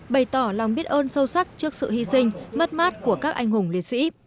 bày tỏ lòng biết ơn sâu sắc trước sự hy sinh mất mát của các anh hùng liệt sĩ